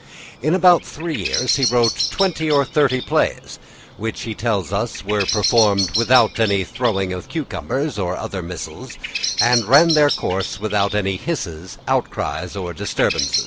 In about three years he wrote twenty or thirty plays, which he tells us were performed without any throwing of cucumbers or other missiles, and ran their course without any hisses, outcries, or disturbance.